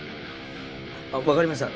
わかりました。